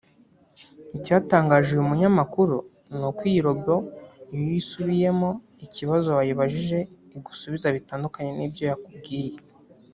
Icyatangaje uyu munyamakuru ni uko iyi Robo iyo usubiyemo ikibazo wayibajije igusubiza ibitandukanye n’ibyo yakubwiye